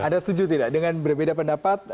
anda setuju tidak dengan berbeda pendapat